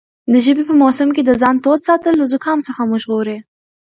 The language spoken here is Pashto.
د ژمي په موسم کې د ځان تود ساتل له زکام څخه مو ژغوري.